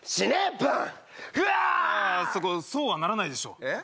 ああそこそうはならないでしょえっ？